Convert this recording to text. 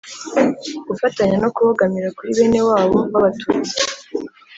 gufatanya no kubogamira kuri benewabo b'abatutsi.